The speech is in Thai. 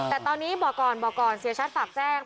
แต่ตอนนี้บอกก่อนบอกก่อนเสียชัดฝากแจ้ง